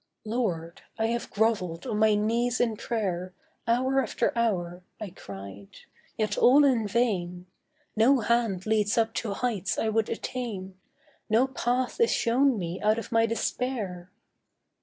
'Lord, I have grovelled on my knees in prayer Hour after hour,' I cried; 'yet all in vain; No hand leads up to heights I would attain, No path is shown me out of my despair.